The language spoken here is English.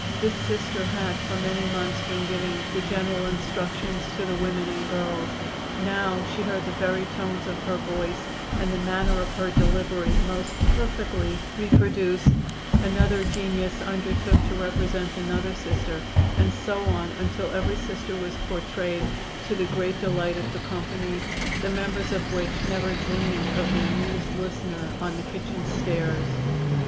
This Sister had for many months been giving the general instructions to the women and girls; now she heard the very tones of her voice and the manner of her delivery most perfectly reproduced; another genius undertook to represent another Sister, and so on until every Sister was portrayed, to the great delight of the company, the members of which never dreamed of the amused listener on the kitchen stairs.